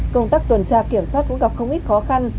công tác tuần tra kiểm soát cũng gặp không ít khó khăn